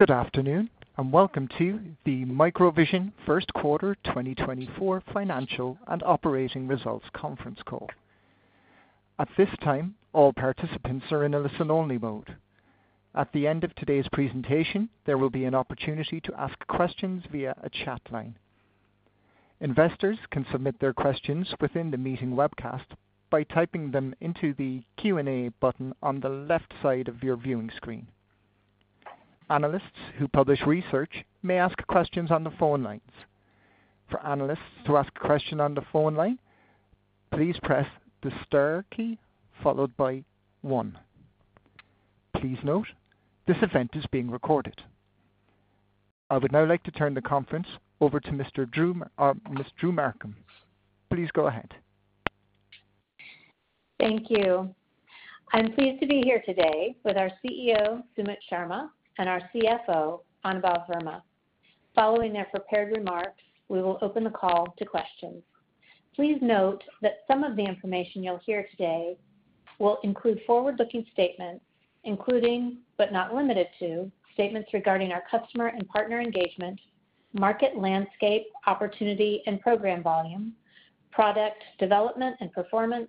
Good afternoon, and welcome to the MicroVision First Quarter 2024 Financial and Operating Results conference call. At this time, all participants are in a listen-only mode. At the end of today's presentation, there will be an opportunity to ask questions via a chat line. Investors can submit their questions within the meeting webcast by typing them into the Q&A button on the left side of your viewing screen. Analysts who publish research may ask questions on the phone lines. For analysts to ask a question on the phone line, please press the star key followed by one. Please note, this event is being recorded. I would now like to turn the conference over to Mr. Drew, Ms. Drew Markham. Please go ahead. Thank you. I'm pleased to be here today with our CEO, Sumit Sharma, and our CFO, Anubhav Verma. Following their prepared remarks, we will open the call to questions. Please note that some of the information you'll hear today will include forward-looking statements, including, but not limited to, statements regarding our customer and partner engagement, market landscape, opportunity, and program volume, product development and performance,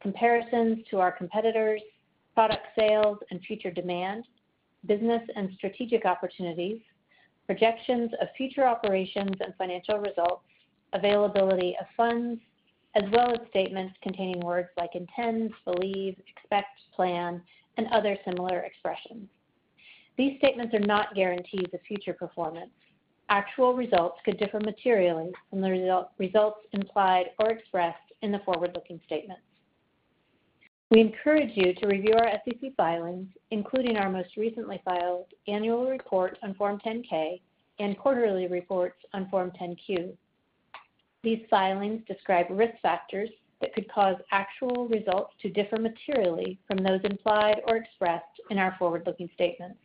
comparisons to our competitors, product sales and future demand, business and strategic opportunities, projections of future operations and financial results, availability of funds, as well as statements containing words like intends, believe, expect, plan, and other similar expressions. These statements are not guarantees of future performance. Actual results could differ materially from the result, results implied or expressed in the forward-looking statements. We encourage you to review our SEC filings, including our most recently filed annual report on Form 10-K and quarterly reports on Form 10-Q. These filings describe risk factors that could cause actual results to differ materially from those implied or expressed in our forward-looking statements.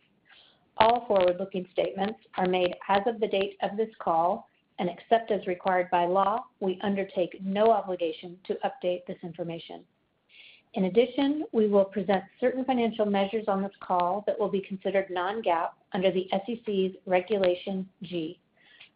All forward-looking statements are made as of the date of this call, and except as required by law, we undertake no obligation to update this information. In addition, we will present certain financial measures on this call that will be considered non-GAAP under the SEC's Regulation G.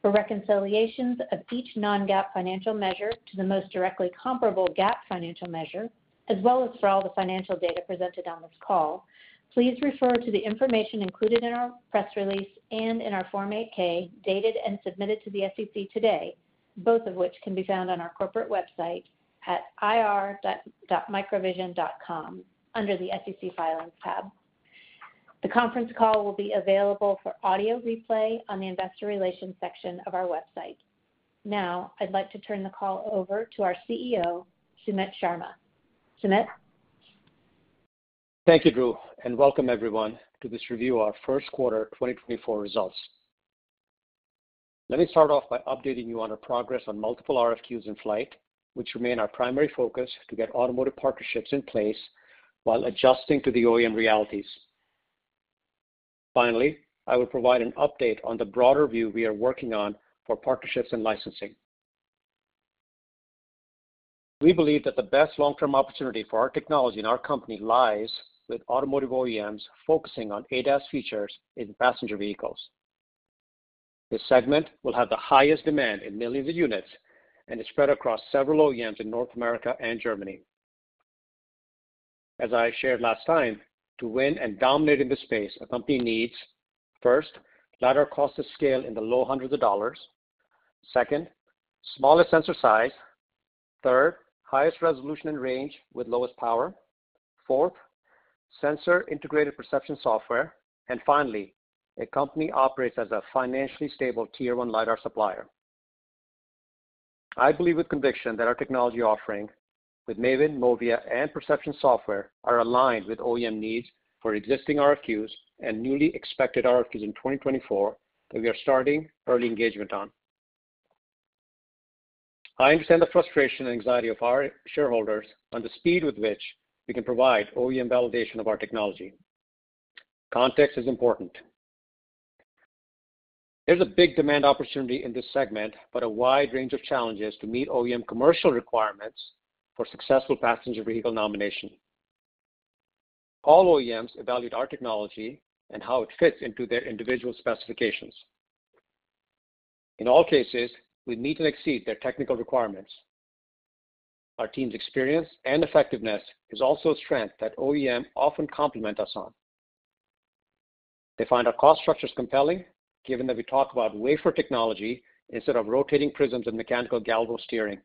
For reconciliations of each non-GAAP financial measure to the most directly comparable GAAP financial measure, as well as for all the financial data presented on this call, please refer to the information included in our press release and in our Form 8-K, dated and submitted to the SEC today, both of which can be found on our corporate website at ir.microvision.com, under the SEC Filings tab. The conference call will be available for audio replay on the investor relations section of our website. Now, I'd like to turn the call over to our CEO, Sumit Sharma. Sumit? Thank you, Drew, and welcome everyone to this review of our first quarter 2024 results. Let me start off by updating you on our progress on multiple RFQs in flight, which remain our primary focus to get automotive partnerships in place while adjusting to the OEM realities. Finally, I will provide an update on the broader view we are working on for partnerships and licensing. We believe that the best long-term opportunity for our technology and our company lies with automotive OEMs focusing on ADAS features in passenger vehicles. This segment will have the highest demand in millions of units and is spread across several OEMs in North America and Germany. As I shared last time, to win and dominate in this space, a company needs, first, LiDAR cost of scale in the low hundreds of dollars. Second, smallest sensor size. Third, highest resolution and range with lowest power. Fourth, sensor-integrated perception software. And finally, a company operates as a financially stable Tier One LiDAR supplier. I believe with conviction that our technology offering with MAVIN, MOVIA, and perception software are aligned with OEM needs for existing RFQs and newly expected RFQs in 2024 that we are starting early engagement on. I understand the frustration and anxiety of our shareholders on the speed with which we can provide OEM validation of our technology. Context is important. There's a big demand opportunity in this segment, but a wide range of challenges to meet OEM commercial requirements for successful passenger vehicle nomination. All OEMs evaluate our technology and how it fits into their individual specifications. In all cases, we need to exceed their technical requirements. Our team's experience and effectiveness is also a strength that OEMs often compliment us on. They find our cost structures compelling, given that we talk about wafer technology instead of rotating prisms and mechanical galvo steering.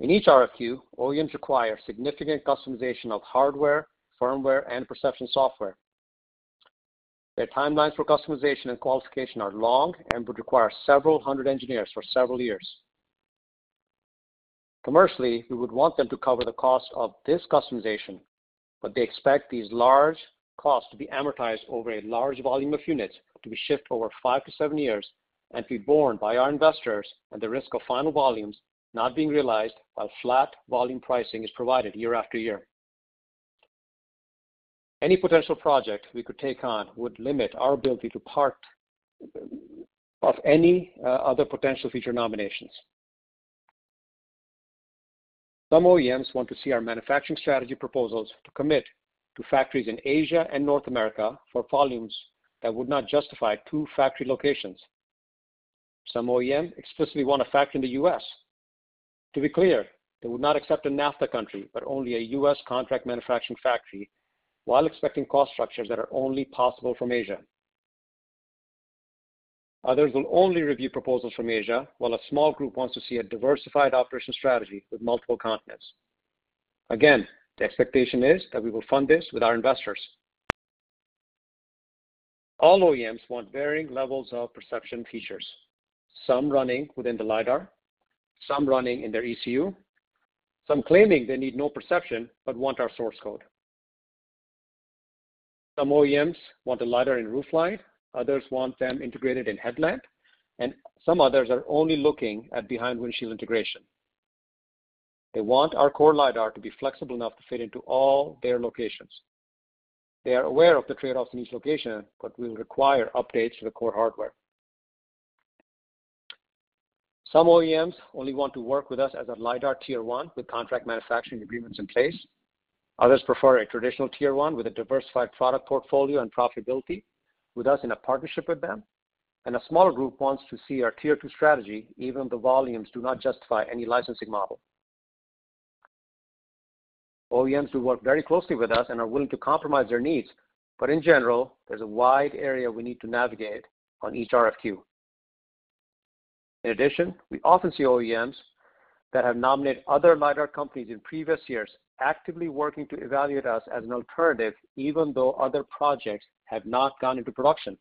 In each RFQ, OEMs require significant customization of hardware, firmware, and perception software. Their timelines for customization and qualification are long and would require several hundred engineers for several years. Commercially, we would want them to cover the cost of this customization, but they expect these large costs to be amortized over a large volume of units, to be shipped over 5-7 years, and be borne by our investors and the risk of final volumes not being realized, while flat volume pricing is provided year after year. Any potential project we could take on would limit our ability to part of any, other potential future nominations. Some OEMs want to see our manufacturing strategy proposals to commit to factories in Asia and North America for volumes that would not justify two factory locations. Some OEMs explicitly want to factor in the U.S. To be clear, they would not accept a NAFTA country, but only a U.S. contract manufacturing factory, while expecting cost structures that are only possible from Asia. Others will only review proposals from Asia, while a small group wants to see a diversified operation strategy with multiple continents. Again, the expectation is that we will fund this with our investors. All OEMs want varying levels of perception features, some running within the LiDAR, some running in their ECU, some claiming they need no perception, but want our source code. Some OEMs want the LiDAR in roofline, others want them integrated in headlamp, and some others are only looking at behind-windshield integration. They want our core LiDAR to be flexible enough to fit into all their locations. They are aware of the trade-offs in each location, but will require updates to the core hardware. Some OEMs only want to work with us as a LiDAR tier one with contract manufacturing agreements in place. Others prefer a traditional tier one with a diversified product portfolio and profitability, with us in a partnership with them, and a smaller group wants to see our tier two strategy, even if the volumes do not justify any licensing model. OEMs do work very closely with us and are willing to compromise their needs, but in general, there's a wide area we need to navigate on each RFQ. In addition, we often see OEMs that have nominated other LiDAR companies in previous years actively working to evaluate us as an alternative, even though other projects have not gone into production.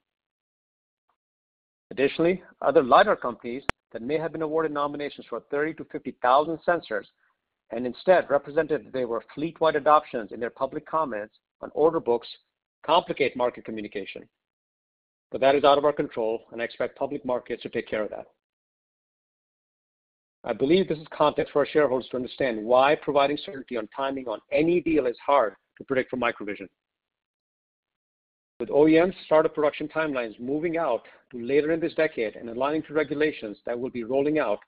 Additionally, other LiDAR companies that may have been awarded nominations for 30-50,000 sensors and instead represented they were fleet-wide adoptions in their public comments on order books complicate market communication, but that is out of our control, and I expect public markets to take care of that. I believe this is context for our shareholders to understand why providing certainty on timing on any deal is hard to predict for MicroVision. With OEM start of production timelines moving out to later in this decade and aligning to regulations that will be rolling out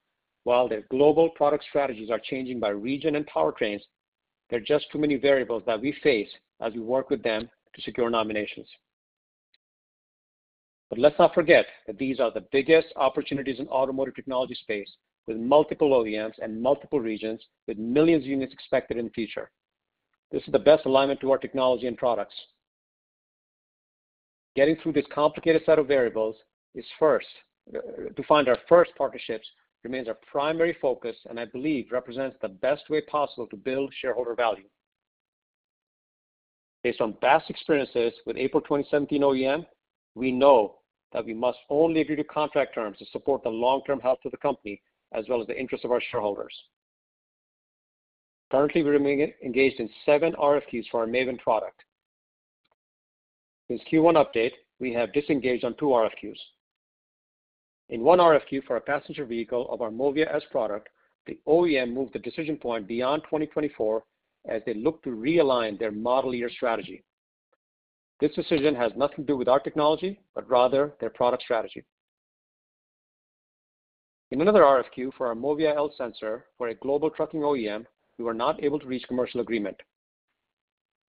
while their global product strategies are changing by region and powertrains, there are just too many variables that we face as we work with them to secure nominations. But let's not forget that these are the biggest opportunities in automotive technology space, with multiple OEMs and multiple regions with millions of units expected in the future. This is the best alignment to our technology and products. Getting through this complicated set of variables is first, to find our first partnerships remains our primary focus, and I believe represents the best way possible to build shareholder value. Based on past experiences with April 2017 OEM, we know that we must only agree to contract terms to support the long-term health of the company, as well as the interest of our shareholders. Currently, we remain engaged in seven RFQs for our MAVIN product. Since Q1 update, we have disengaged on two RFQs. In one RFQ for a passenger vehicle of our MOVIA S product, the OEM moved the decision point beyond 2024 as they look to realign their model year strategy. This decision has nothing to do with our technology, but rather their product strategy. In another RFQ for our MOVIA L sensor for a global trucking OEM, we were not able to reach commercial agreement.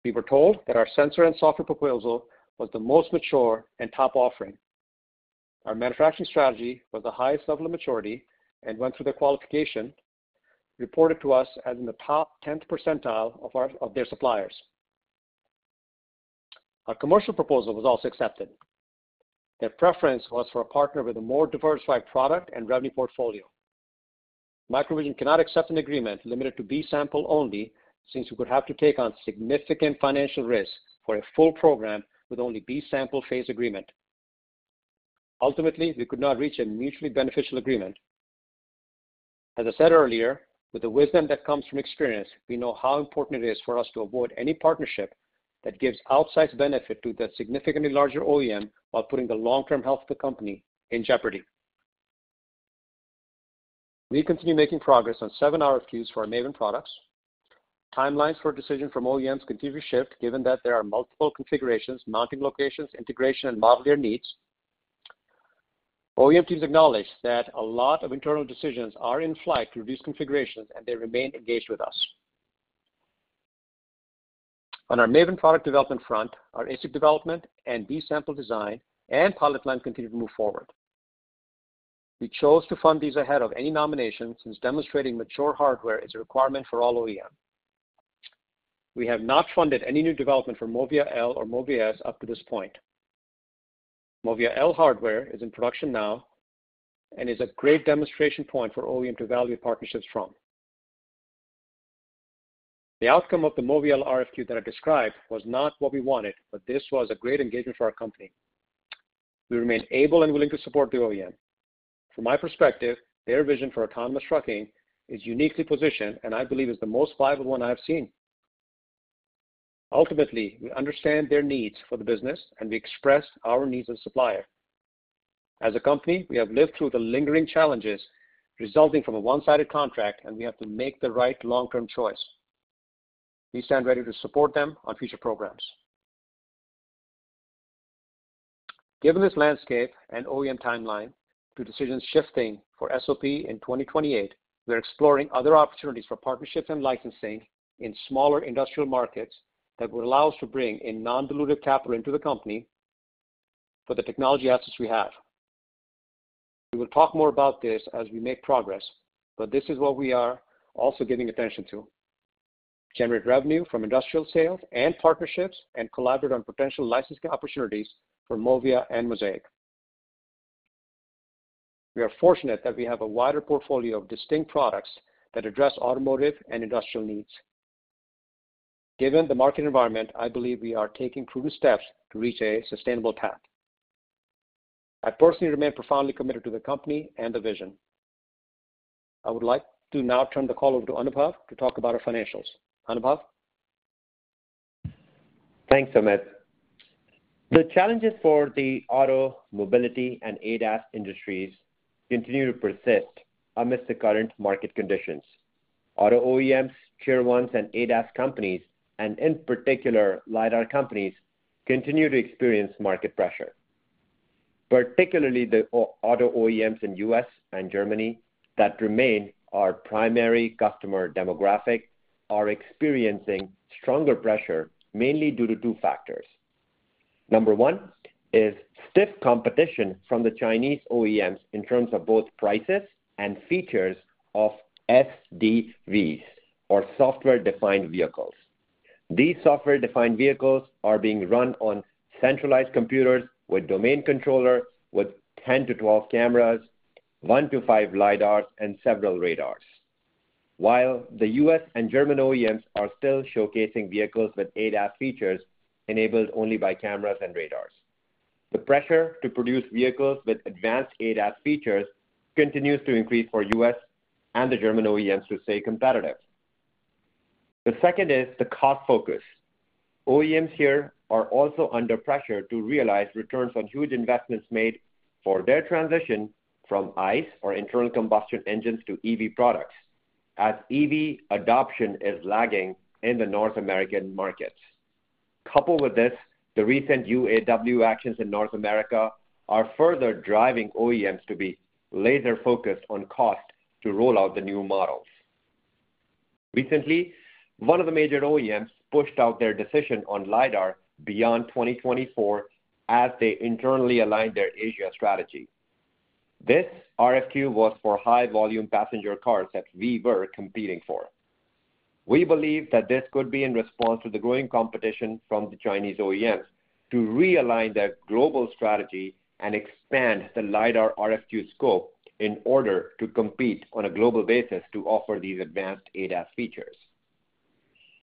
We were told that our sensor and software proposal was the most mature and top offering. Our manufacturing strategy was the highest level of maturity and went through their qualification, reported to us as in the top tenth percentile of their suppliers. Our commercial proposal was also accepted. Their preference was for a partner with a more diversified product and revenue portfolio. MicroVision cannot accept an agreement limited to B sample only, since we would have to take on significant financial risk for a full program with only B sample phase agreement. Ultimately, we could not reach a mutually beneficial agreement. As I said earlier, with the wisdom that comes from experience, we know how important it is for us to avoid any partnership that gives outsized benefit to the significantly larger OEM while putting the long-term health of the company in jeopardy. We continue making progress on seven RFQs for our MAVIN products. Timelines for decision from OEMs continue to shift, given that there are multiple configurations, mounting locations, integration, and model year needs. OEM teams acknowledge that a lot of internal decisions are in flight to reduce configurations, and they remain engaged with us. On our MAVIN product development front, our ASIC development and B-sample design and pilot plan continue to move forward. We chose to fund these ahead of any nomination, since demonstrating mature hardware is a requirement for all OEM. We have not funded any new development for MOVIA L or MOVIA S up to this point. MOVIA L hardware is in production now and is a great demonstration point for OEM to evaluate partnerships from. The outcome of the MOVIA L RFQ that I described was not what we wanted, but this was a great engagement for our company. We remain able and willing to support the OEM. From my perspective, their vision for autonomous trucking is uniquely positioned and I believe is the most viable one I have seen. Ultimately, we understand their needs for the business, and we express our needs as a supplier. As a company, we have lived through the lingering challenges resulting from a one-sided contract, and we have to make the right long-term choice. We stand ready to support them on future programs. Given this landscape and OEM timeline to decisions shifting for SOP in 2028, we are exploring other opportunities for partnerships and licensing in smaller industrial markets that would allow us to bring in non-dilutive capital into the company for the technology assets we have. We will talk more about this as we make progress, but this is what we are also giving attention to. Generate revenue from industrial sales and partnerships, and collaborate on potential licensing opportunities for MOVIA and MOSAIK. We are fortunate that we have a wider portfolio of distinct products that address automotive and industrial needs. Given the market environment, I believe we are taking prudent steps to reach a sustainable path. I personally remain profoundly committed to the company and the vision. I would like to now turn the call over to Anubhav to talk about our financials. Anubhav? Thanks, Sumit. The challenges for the auto, mobility, and ADAS industries continue to persist amidst the current market conditions. Auto OEMs, tier ones, and ADAS companies, and in particular, LiDAR companies, continue to experience market pressure. Particularly the auto OEMs in U.S. and Germany, that remain our primary customer demographic, are experiencing stronger pressure, mainly due to two factors. Number one is stiff competition from the Chinese OEMs in terms of both prices and features of SDVs, or software-defined vehicles. These software-defined vehicles are being run on centralized computers with domain controller, with 10-12 cameras, 1-5 LiDARs, and several radars. While the U.S. and German OEMs are still showcasing vehicles with ADAS features enabled only by cameras and radars. The pressure to produce vehicles with advanced ADAS features continues to increase for U.S. and the German OEMs to stay competitive. The second is the cost focus. OEMs here are also under pressure to realize returns on huge investments made for their transition from ICE, or internal combustion engines, to EV products, as EV adoption is lagging in the North American markets. Coupled with this, the recent UAW actions in North America are further driving OEMs to be laser-focused on cost to roll out the new models. Recently, one of the major OEMs pushed out their decision on LiDAR beyond 2024 as they internally aligned their Asia strategy. This RFQ was for high-volume passenger cars that we were competing for. We believe that this could be in response to the growing competition from the Chinese OEMs to realign their global strategy and expand the LiDAR RFQ scope in order to compete on a global basis to offer these advanced ADAS features.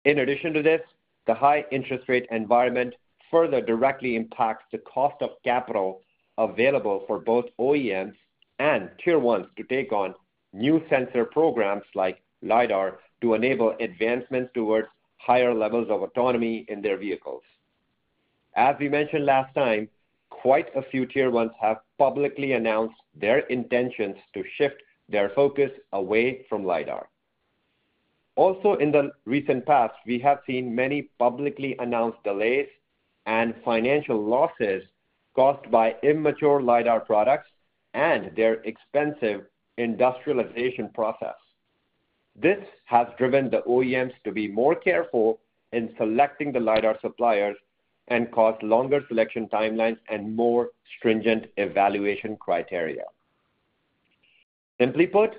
In addition to this, the high interest rate environment further directly impacts the cost of capital available for both OEMs and tier ones to take on new sensor programs like LiDAR, to enable advancements towards higher levels of autonomy in their vehicles. As we mentioned last time, quite a few tier ones have publicly announced their intentions to shift their focus away from LiDAR. Also, in the recent past, we have seen many publicly announced delays and financial losses caused by immature LiDAR products and their expensive industrialization process. This has driven the OEMs to be more careful in selecting the LiDAR suppliers and cause longer selection timelines and more stringent evaluation criteria. Simply put,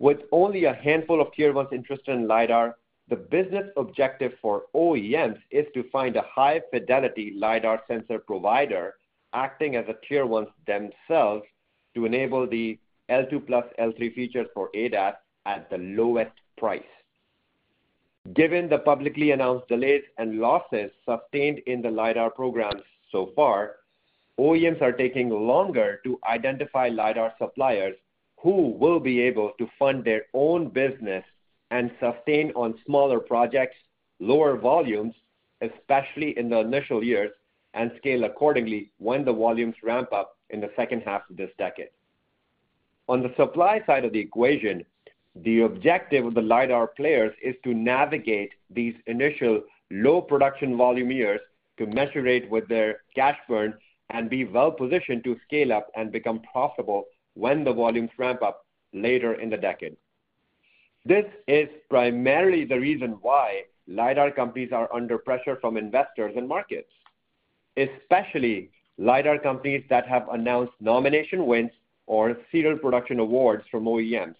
with only a handful of Tier 1s interested in LiDAR, the business objective for OEMs is to find a high-fidelity LiDAR sensor provider acting as Tier 1s themselves, to enable the L2 Plus, L3 features for ADAS at the lowest price. Given the publicly announced delays and losses sustained in the LiDAR programs so far, OEMs are taking longer to identify LiDAR suppliers who will be able to fund their own business and sustain on smaller projects, lower volumes, especially in the initial years, and scale accordingly when the volumes ramp up in the second half of this decade. On the supply side of the equation, the objective of the LiDAR players is to navigate these initial low production volume years to measure it with their cash burn and be well positioned to scale up and become profitable when the volumes ramp up later in the decade. This is primarily the reason why LiDAR companies are under pressure from investors and markets, especially LiDAR companies that have announced nomination wins or serial production awards from OEMs.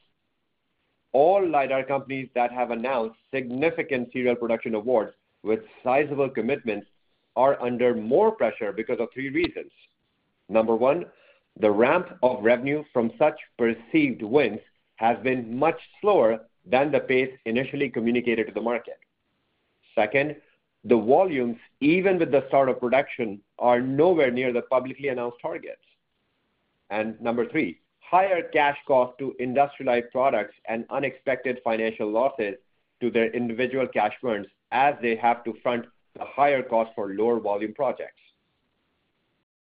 All LiDAR companies that have announced significant serial production awards with sizable commitments are under more pressure because of three reasons. Number one, the ramp of revenue from such perceived wins has been much slower than the pace initially communicated to the market. Second, the volumes, even with the start of production, are nowhere near the publicly announced targets. And number three, higher cash cost to industrialize products and unexpected financial losses to their individual cash burns, as they have to front a higher cost for lower volume projects.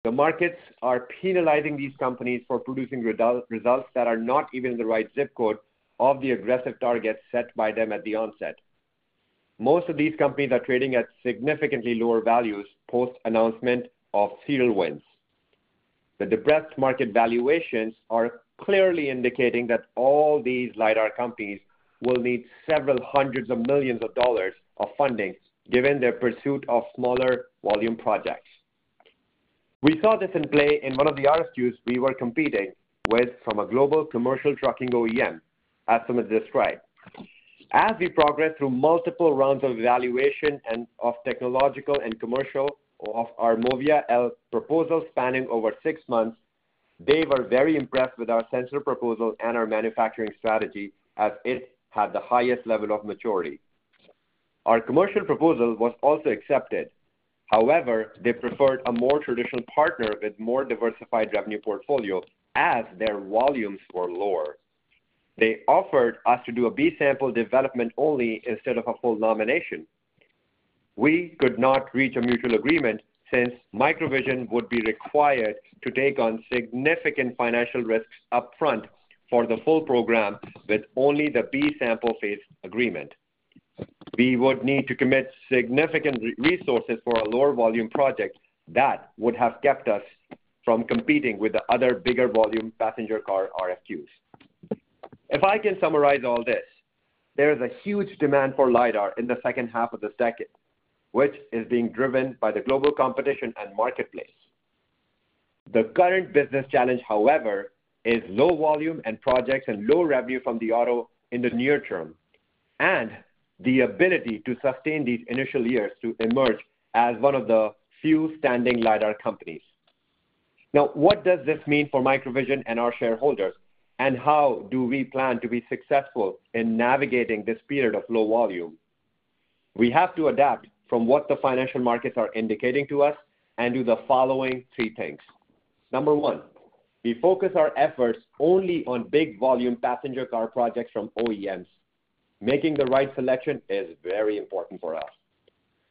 The markets are penalizing these companies for producing result, results that are not even in the right zip code of the aggressive targets set by them at the onset.... Most of these companies are trading at significantly lower values post-announcement of serial wins. The depressed market valuations are clearly indicating that all these LiDAR companies will need several hundred million dollars of funding, given their pursuit of smaller volume projects. We saw this in play in one of the RFQs we were competing with from a global commercial trucking OEM, as Sumit described. As we progressed through multiple rounds of evaluation and of technological and commercial of our MOVIA L proposal spanning over six months, they were very impressed with our sensor proposal and our manufacturing strategy as it had the highest level of maturity. Our commercial proposal was also accepted. However, they preferred a more traditional partner with more diversified revenue portfolio as their volumes were lower. They offered us to do a B sample development only instead of a full nomination. We could not reach a mutual agreement, since MicroVision would be required to take on significant financial risks upfront for the full program, with only the B sample phase agreement. We would need to commit significant resources for a lower volume project that would have kept us from competing with the other bigger volume passenger car RFQs. If I can summarize all this, there is a huge demand for LiDAR in the second half of the decade, which is being driven by the global competition and marketplace. The current business challenge, however, is low volume and projects and low revenue from the auto in the near term, and the ability to sustain these initial years to emerge as one of the few standing LiDAR companies. Now, what does this mean for MicroVision and our shareholders, and how do we plan to be successful in navigating this period of low volume? We have to adapt from what the financial markets are indicating to us and do the following three things. Number one, we focus our efforts only on big volume passenger car projects from OEMs. Making the right selection is very important for us.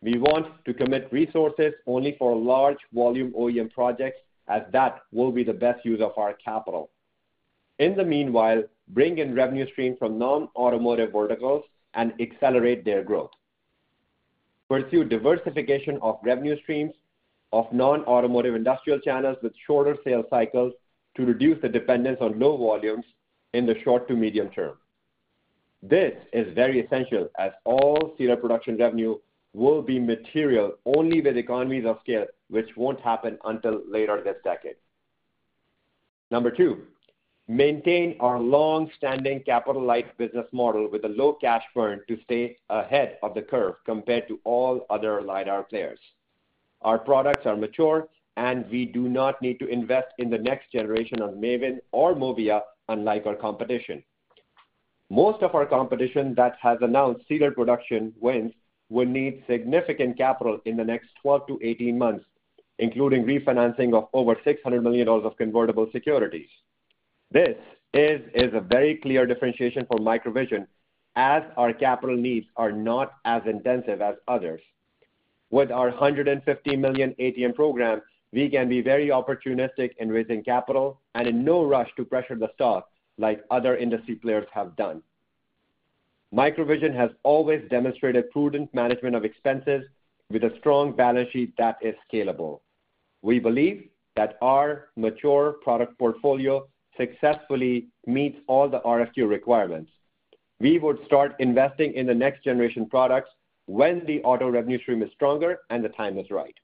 We want to commit resources only for large volume OEM projects, as that will be the best use of our capital. In the meanwhile, bring in revenue stream from non-automotive verticals and accelerate their growth. Pursue diversification of revenue streams of non-automotive industrial channels with shorter sales cycles to reduce the dependence on low volumes in the short to medium term. This is very essential, as all serial production revenue will be material only with economies of scale, which won't happen until later this decade. Number 2, maintain our long-standing capital-light business model with a low cash burn to stay ahead of the curve compared to all other LiDAR players. Our products are mature, and we do not need to invest in the next generation of MAVIN or MOVIA, unlike our competition. Most of our competition that has announced serial production wins will need significant capital in the next 12-18 months, including refinancing of over $600 million of convertible securities. This is a very clear differentiation for MicroVision, as our capital needs are not as intensive as others. With our $150 million ATM program, we can be very opportunistic in raising capital and in no rush to pressure the stock like other industry players have done. MicroVision has always demonstrated prudent management of expenses with a strong balance sheet that is scalable. We believe that our mature product portfolio successfully meets all the RFQ requirements. We would start investing in the next generation products when the auto revenue stream is stronger and the time is right.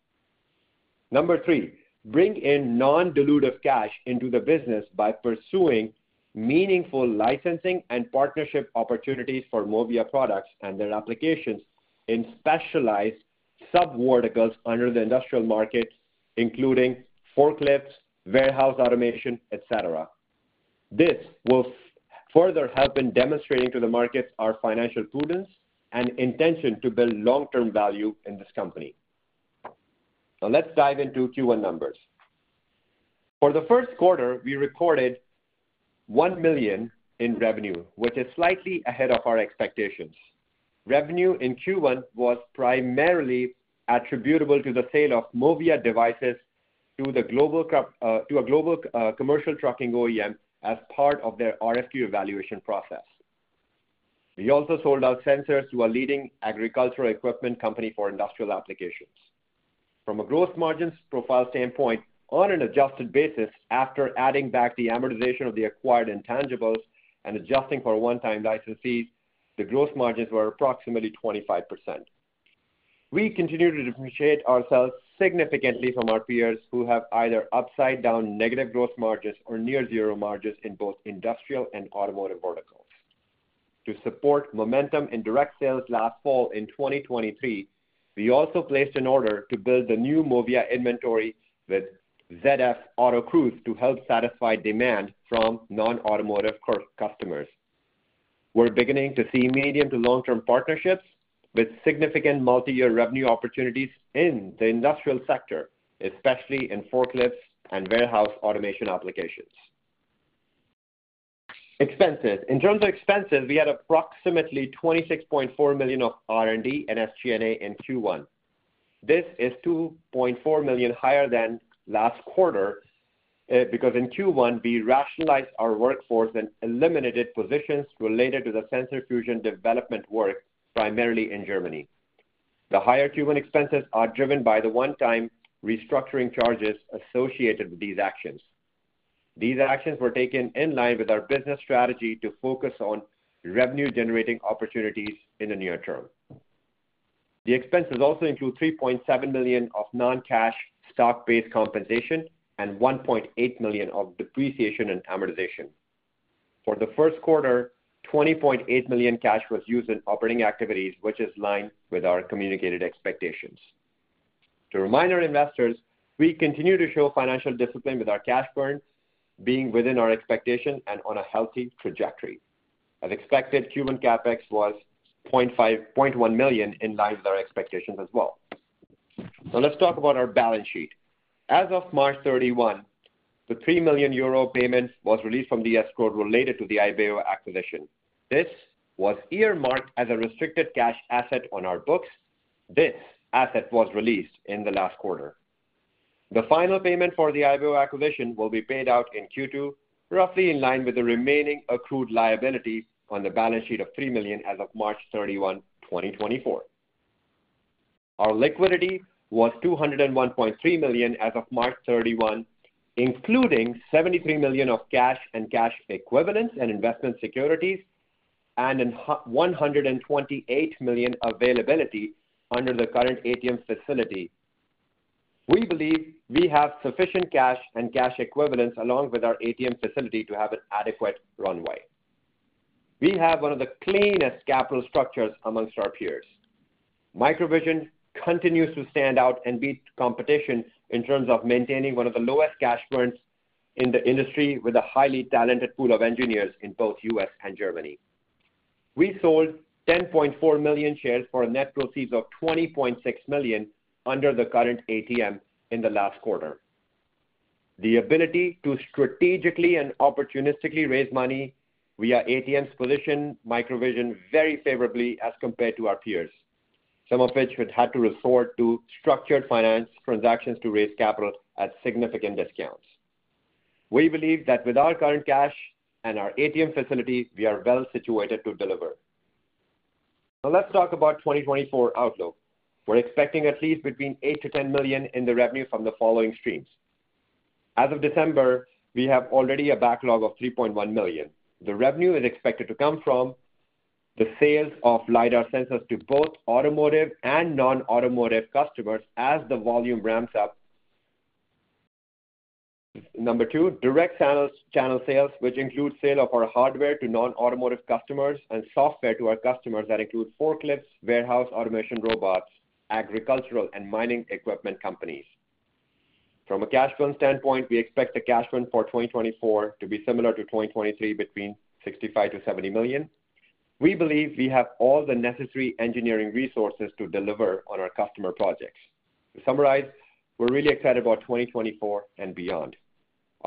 Number 3, bring in non-dilutive cash into the business by pursuing meaningful licensing and partnership opportunities for MOVIA products and their applications in specialized sub verticals under the industrial markets, including forklifts, warehouse automation, et cetera. This will further help in demonstrating to the markets our financial prudence and intention to build long-term value in this company. So let's dive into Q1 numbers. For the first quarter, we recorded $1 million in revenue, which is slightly ahead of our expectations. Revenue in Q1 was primarily attributable to the sale of MOVIA devices to the global corp to a global commercial trucking OEM as part of their RFQ evaluation process. We also sold our sensors to a leading agricultural equipment company for industrial applications. From a gross margins profile standpoint, on an adjusted basis, after adding back the amortization of the acquired intangibles and adjusting for a one-time license fees, the gross margins were approximately 25%. We continue to differentiate ourselves significantly from our peers, who have either upside-down negative gross margins or near zero margins in both industrial and automotive verticals. To support momentum in direct sales last fall in 2023, we also placed an order to build the new MOVIA inventory with ZF Autocruise to help satisfy demand from non-automotive customers. We're beginning to see medium to long-term partnerships with significant multi-year revenue opportunities in the industrial sector, especially in forklifts and warehouse automation applications. Expenses. In terms of expenses, we had approximately $26.4 million of R&D and SG&A in Q1. This is $2.4 million higher than last quarter, because in Q1, we rationalized our workforce and eliminated positions related to the sensor fusion development work, primarily in Germany. The higher Q1 expenses are driven by the one-time restructuring charges associated with these actions. These actions were taken in line with our business strategy to focus on revenue-generating opportunities in the near term. The expenses also include $3.7 million of non-cash stock-based compensation and $1.8 million of depreciation and amortization. For the first quarter, $20.8 million cash was used in operating activities, which is in line with our communicated expectations. To remind our investors, we continue to show financial discipline with our cash burn being within our expectation and on a healthy trajectory. As expected, Q1 CapEx was $0.5 million-$1 million, in line with our expectations as well. So let's talk about our balance sheet. As of March 31, the 3 million euro payment was released from the escrow related to the Ibeo acquisition. This was earmarked as a restricted cash asset on our books. This asset was released in the last quarter. The final payment for the Ibeo acquisition will be paid out in Q2, roughly in line with the remaining accrued liability on the balance sheet of $3 million as of March 31, 2024. Our liquidity was $201.3 million as of March 31, including $73 million of cash and cash equivalents and investment securities, and $128 million availability under the current ATM facility. We believe we have sufficient cash and cash equivalents, along with our ATM facility, to have an adequate runway. We have one of the cleanest capital structures amongst our peers. MicroVision continues to stand out and beat competition in terms of maintaining one of the lowest cash burns in the industry with a highly talented pool of engineers in both the U.S. and Germany. We sold 10.4 million shares for net proceeds of $20.6 million under the current ATM in the last quarter. The ability to strategically and opportunistically raise money via ATMs position MicroVision very favorably as compared to our peers, some of which have had to resort to structured finance transactions to raise capital at significant discounts. We believe that with our current cash and our ATM facility, we are well situated to deliver. Let's talk about 2024 outlook. We're expecting at least $8 million-$10 million in the revenue from the following streams. As of December, we have already a backlog of $3.1 million. The revenue is expected to come from the sales of LiDAR sensors to both automotive and non-automotive customers as the volume ramps up. Number two, direct channels, channel sales, which includes sale of our hardware to non-automotive customers and software to our customers that include forklifts, warehouse automation robots, agricultural and mining equipment companies. From a cash burn standpoint, we expect the cash burn for 2024 to be similar to 2023, between $65 million-$70 million. We believe we have all the necessary engineering resources to deliver on our customer projects. To summarize, we're really excited about 2024 and beyond.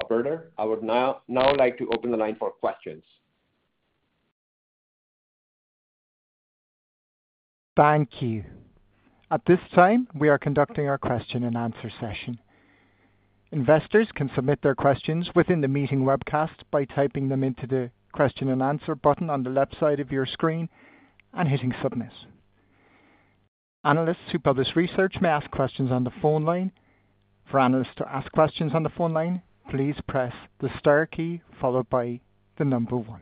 Operator, I would now like to open the line for questions. Thank you. At this time, we are conducting our question-and-answer session. Investors can submit their questions within the meeting webcast by typing them into the question-and-answer button on the left side of your screen and hitting Submit. Analysts who publish research may ask questions on the phone line. For analysts to ask questions on the phone line, please press the star key followed by the number one.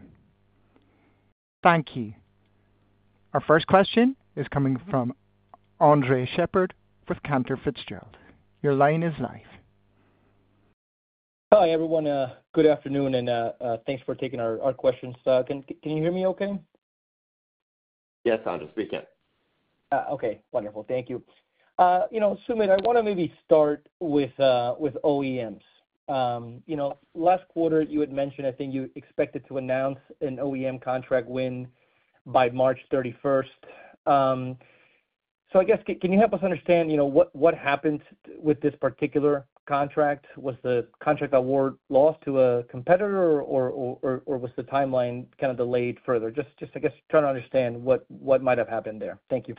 Thank you. Our first question is coming from Andres Sheppard with Cantor Fitzgerald. Your line is live. Hi, everyone, good afternoon, and thanks for taking our questions. Can you hear me okay? Yes, Andres, we can. Okay, wonderful. Thank you. You know, Sumit, I want to maybe start with OEMs. You know, last quarter, you had mentioned, I think, you expected to announce an OEM contract win by March 31. So I guess, can you help us understand, you know, what happened with this particular contract? Was the contract award lost to a competitor or was the timeline kind of delayed further? Just I guess, trying to understand what might have happened there. Thank you.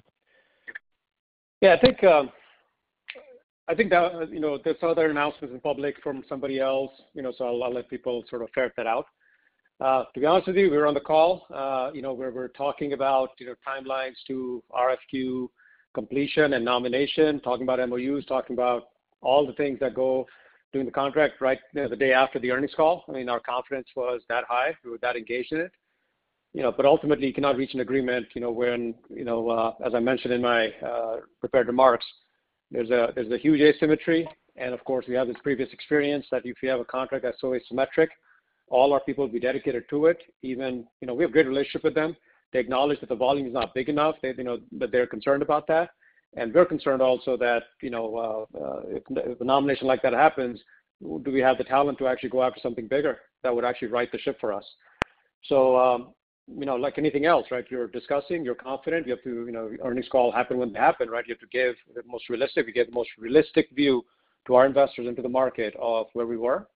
Yeah, I think, I think that, you know, there's other announcements in public from somebody else, you know, so I'll let people sort of ferret that out. To be honest with you, we were on the call, you know, where we're talking about, you know, timelines to RFQ completion and nomination, talking about MOUs, talking about all the things that go during the contract, right, the day after the earnings call. I mean, our confidence was that high. We were that engaged in it, you know, but ultimately, you cannot reach an agreement, you know, when, you know, as I mentioned in my prepared remarks, there's a, there's a huge asymmetry. And of course, we have this previous experience that if you have a contract that's so asymmetric, all our people will be dedicated to it. Even, you know, we have a great relationship with them. They acknowledge that the volume is not big enough, they, you know, but they're concerned about that. And we're concerned also that, you know, if a nomination like that happens, do we have the talent to actually go after something bigger that would actually right the ship for us? So, you know, like anything else, right, you're discussing, you're confident, you have to, you know, earnings call happened when it happened, right? You have to give the most realistic- we give the most realistic view to our investors into the market of where we were....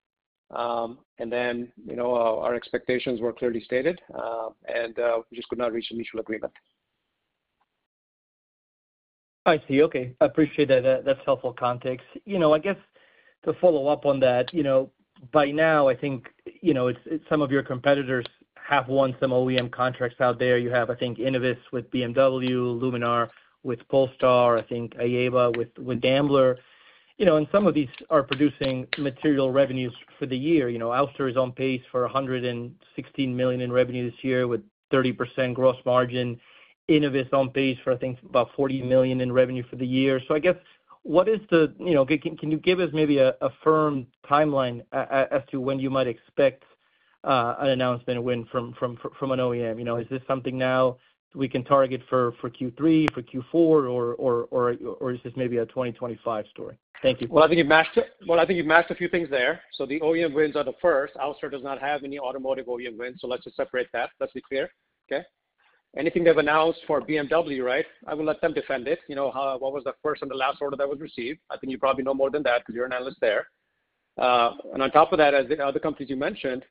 and then, you know, our expectations were clearly stated, and we just could not reach a mutual agreement. I see. Okay, I appreciate that. That, that's helpful context. You know, I guess to follow up on that, you know, by now, I think, you know, it's, some of your competitors have won some OEM contracts out there. You have, I think, Innoviz with BMW, Luminar with Polestar, I think Aeva with, with Daimler. You know, and some of these are producing material revenues for the year. You know, Ouster is on pace for $116 million in revenue this year, with 30% gross margin. Innoviz on pace for, I think, about $40 million in revenue for the year. So I guess, what is the... You know, can you give us maybe a, a firm timeline as to when you might expect, an announcement, a win from, from, from an OEM? You know, is this something now we can target for Q3, for Q4, or is this maybe a 2025 story? Thank you. Well, I think you've matched it. Well, I think you've matched a few things there. So the OEM wins are the first. Ouster does not have any automotive OEM wins, so let's just separate that. Let's be clear, okay? Anything they've announced for BMW, right, I will let them defend it. You know, how, what was the first and the last order that was received? I think you probably know more than that because you're an analyst there. And on top of that, as the other companies you mentioned,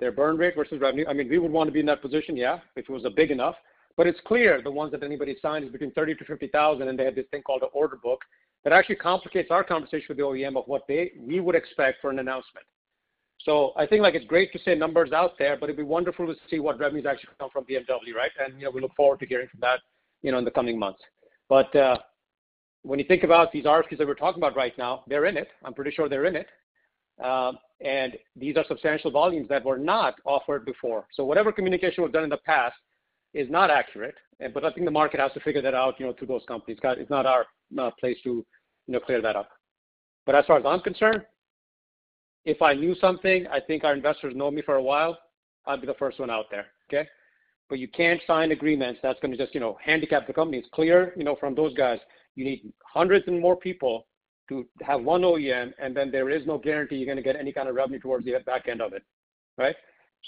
their burn rate versus revenue, I mean, we would want to be in that position, yeah, if it was a big enough. But it's clear the ones that anybody signed is between 30-50,000 and they have this thing called the order book. That actually complicates our conversation with the OEM of what they, we would expect for an announcement. So I think, like, it's great to say numbers out there, but it'd be wonderful to see what revenues actually come from BMW, right? And, you know, we look forward to hearing from that, you know, in the coming months. But when you think about these RFPs that we're talking about right now, they're in it. I'm pretty sure they're in it. And these are substantial volumes that were not offered before. So whatever communication we've done in the past is not accurate, and but I think the market has to figure that out, you know, to those companies. Guy, it's not our, not place to, you know, clear that up. But as far as I'm concerned, if I knew something, I think our investors know me for a while, I'd be the first one out there, okay? But you can't sign agreements that's gonna just, you know, handicap the company. It's clear, you know, from those guys, you need hundreds and more people to have one OEM, and then there is no guarantee you're gonna get any kind of revenue towards the back end of it, right?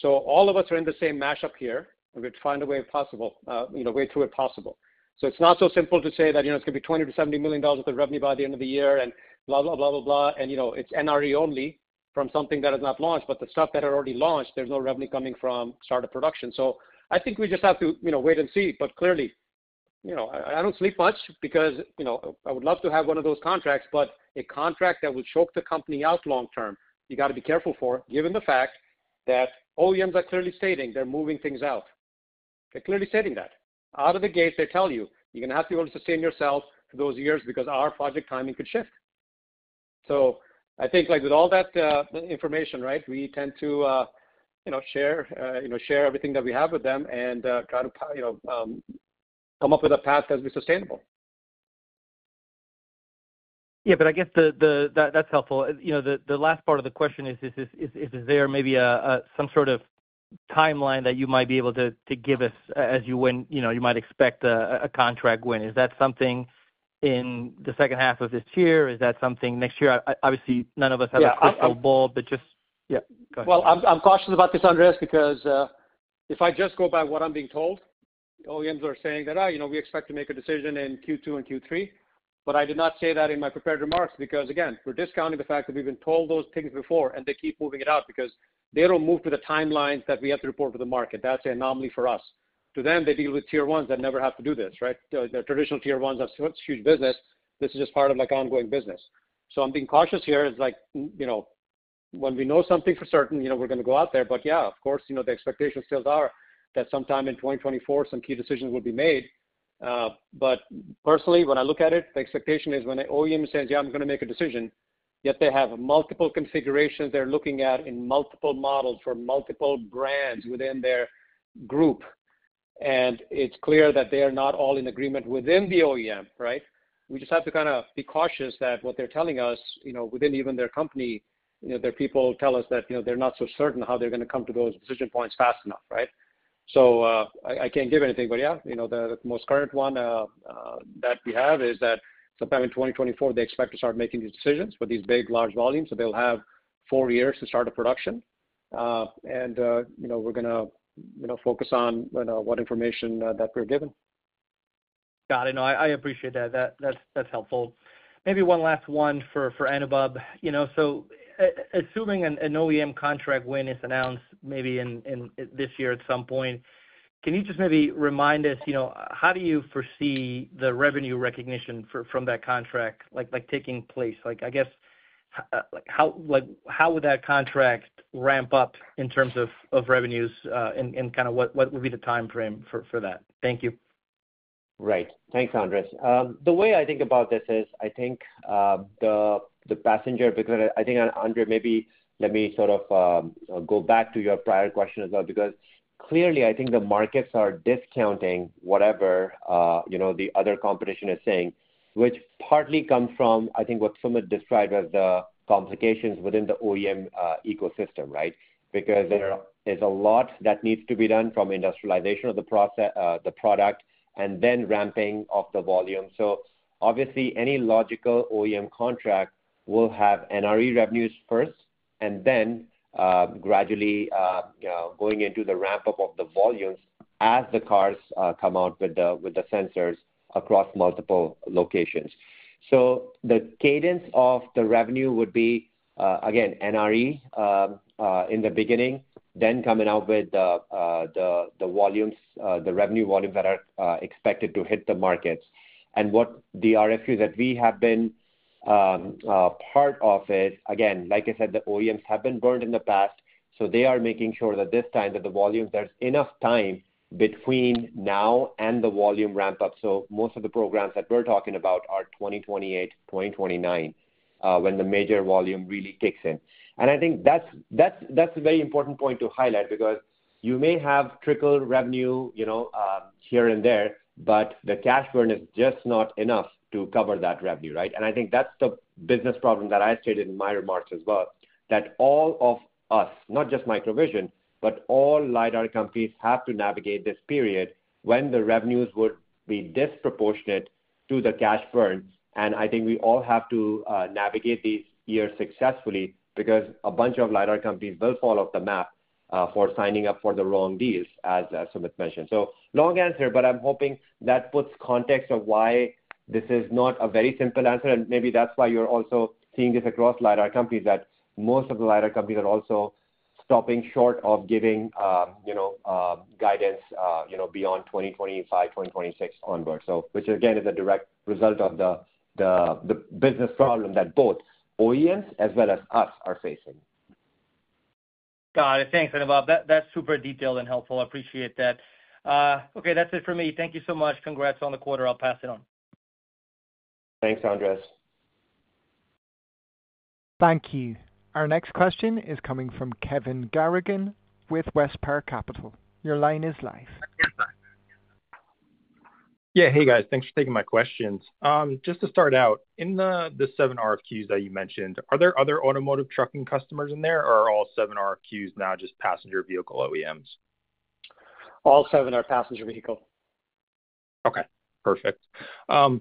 So all of us are in the same mashup here, and we have to find a way possible, you know, a way through it possible. So it's not so simple to say that, you know, it's gonna be $20 million-$70 million of revenue by the end of the year and blah, blah, blah, blah, blah. You know, it's NRE only from something that is not launched, but the stuff that are already launched, there's no revenue coming from start of production. So I think we just have to, you know, wait and see. But clearly, you know, I don't sleep much because, you know, I would love to have one of those contracts, but a contract that will choke the company out long term, you got to be careful for, given the fact that OEMs are clearly stating they're moving things out. They're clearly stating that. Out of the gate, they tell you, "You're gonna have to be able to sustain yourself for those years because our project timing could shift." So I think, like, with all that information, right, we tend to, you know, share, you know, share everything that we have with them and, try to, you know, come up with a path that will be sustainable. Yeah, but I guess that's helpful. You know, the last part of the question is there maybe some sort of timeline that you might be able to give us as to when, you know, you might expect a contract win? Is that something in the second half of this year? Is that something next year? Obviously, none of us have a crystal ball, but just- Yeah. Yeah, go ahead. Well, I'm cautious about this, Andres, because if I just go by what I'm being told, OEMs are saying that, "Ah, you know, we expect to make a decision in Q2 and Q3," but I did not say that in my prepared remarks because, again, we're discounting the fact that we've been told those things before, and they keep moving it out because they don't move to the timelines that we have to report to the market. That's an anomaly for us. To them, they deal with Tier 1s that never have to do this, right? The traditional Tier 1s have such huge business, this is just part of, like, ongoing business. So I'm being cautious here. It's like, you know, when we know something for certain, you know, we're gonna go out there. But yeah, of course, you know, the expectation still are that sometime in 2024, some key decisions will be made. But personally, when I look at it, the expectation is when the OEM says, "Yeah, I'm gonna make a decision," yet they have multiple configurations they're looking at in multiple models for multiple brands within their group, and it's clear that they are not all in agreement within the OEM, right? We just have to kind of be cautious that what they're telling us, you know, within even their company, you know, their people tell us that, you know, they're not so certain how they're gonna come to those decision points fast enough, right? So, I, I can't give anything. But yeah, you know, the most current one that we have is that sometime in 2024, they expect to start making these decisions for these big, large volumes, so they'll have four years to start a production. And you know, we're gonna, you know, focus on, you know, what information that we're given. Got it. No, I appreciate that. That's helpful. Maybe one last one for Anubhav. You know, so assuming an OEM contract win is announced maybe in this year at some point, can you just maybe remind us, you know, how do you foresee the revenue recognition for—from that contract, like taking place? Like, I guess, like how would that contract ramp up in terms of revenues, and kind of what would be the timeframe for that? Thank you. Right. Thanks, Andres. The way I think about this is, I think, the passenger, because I think, Andres, maybe let me sort of, go back to your prior question as well, because clearly, I think the markets are discounting whatever, you know, the other competition is saying, which partly come from, I think, what Sumit described as the complications within the OEM ecosystem, right? Because there, there's a lot that needs to be done, from industrialization of the process, the product, and then ramping of the volume. So obviously, any logical OEM contract will have NRE revenues first and then, gradually, going into the ramp-up of the volumes as the cars come out with the sensors across multiple locations. So the cadence of the revenue would be, again, NRE, in the beginning, then coming out with the volumes, the revenue volumes that are expected to hit the markets. And what the RFQs that we have been part of it, again, like I said, the OEMs have been burned in the past, so they are making sure that this time that the volumes, there's enough time between now and the volume ramp up. So most of the programs that we're talking about are 2028, 2029, when the major volume really kicks in. And I think that's a very important point to highlight because you may have trickle revenue, you know, here and there, but the cash burn is just not enough to cover that revenue, right? I think that's the business problem that I stated in my remarks as well, that all of us, not just MicroVision, but all LiDAR companies, have to navigate this period when the revenues would be disproportionate to the cash burn. And I think we all have to navigate these years successfully because a bunch of LiDAR companies will fall off the map for signing up for the wrong deals, as Sumit mentioned. So long answer, but I'm hoping that puts context of why this is not a very simple answer, and maybe that's why you're also seeing this across LiDAR companies, that most of the LiDAR companies are also stopping short of giving, you know, guidance, you know, beyond 2025, 2026 onwards. So which again is a direct result of the business problem that both OEMs as well as us are facing. Got it. Thanks, Anubhav. That, that's super detailed and helpful. I appreciate that. Okay, that's it for me. Thank you so much. Congrats on the quarter. I'll pass it on. Thanks, Andres. Thank you. Our next question is coming from Kevin Garrigan with WestPark Capital. Your line is live. Yeah. Hey, guys, thanks for taking my questions. Just to start out, in the seven RFQs that you mentioned, are there other automotive trucking customers in there, or are all seven RFQs now just passenger vehicle OEMs? All seven are passenger vehicle. Okay, perfect. And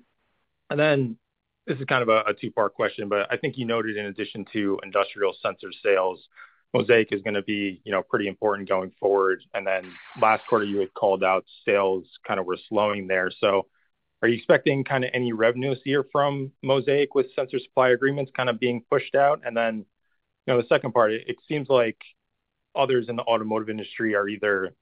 then this is kind of a two-part question, but I think you noted in addition to industrial sensor sales, MOSAIK is gonna be, you know, pretty important going forward. And then last quarter, you had called out sales kind of were slowing there. So are you expecting kind of any revenues this year from MOSAIK with sensor supply agreements kind of being pushed out? And then, you know, the second part, it seems like others in the automotive industry are either,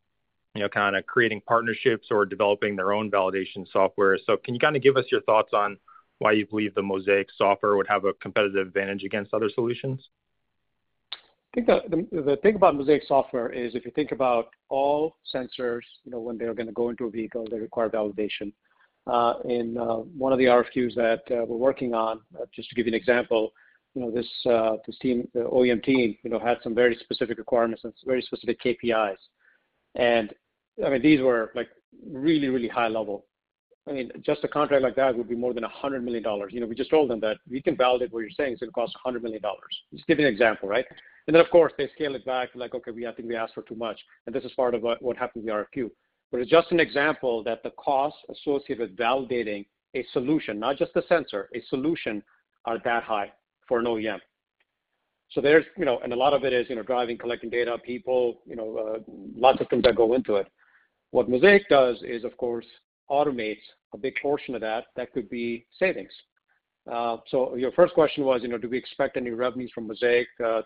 you know, kind of creating partnerships or developing their own validation software. So can you kind of give us your thoughts on why you believe the MOSAIK software would have a competitive advantage against other solutions? I think the thing about MOSAIK software is, if you think about all sensors, you know, when they're gonna go into a vehicle, they require validation. And one of the RFQs that we're working on, just to give you an example, you know, this team, the OEM team, you know, had some very specific requirements and very specific KPIs. And, I mean, these were, like, really, really high level. I mean, just a contract like that would be more than $100 million. You know, we just told them that we can validate what you're saying, it's gonna cost $100 million. Just give you an example, right? And then, of course, they scale it back, like, okay, we, I think we asked for too much, and this is part of what happened in the RFQ. But it's just an example that the costs associated with validating a solution, not just a sensor, a solution, are that high for an OEM. So there's, you know, and a lot of it is, you know, driving, collecting data, people, you know, lots of things that go into it. What MOSAIK does is, of course, automates a big portion of that, that could be savings. So your first question was, you know, do we expect any revenues from MOSAIK,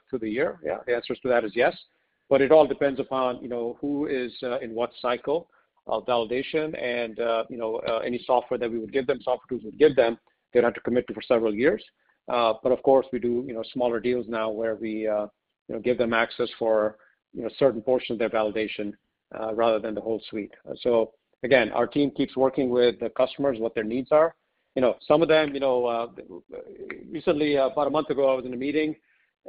through the year? Yeah, the answer to that is yes, but it all depends upon, you know, who is, in what cycle of validation and, you know, any software that we would give them, software tools would give them, they'd have to commit to for several years. But of course, we do, you know, smaller deals now where we, you know, give them access for, you know, a certain portion of their validation, rather than the whole suite. So again, our team keeps working with the customers, what their needs are. You know, some of them, you know, recently, about a month ago, I was in a meeting,